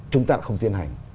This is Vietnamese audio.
chúng ta không tiến hành